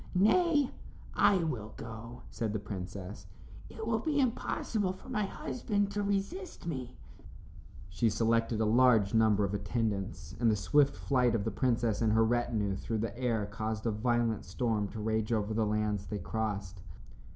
"Nay, I will go," said the princess; "it will be impossible for my husband to resist me." She selected a large number of attendants, and the swift flight of the princess and her retinue through the air caused a violent storm to rage over the lands they crossed.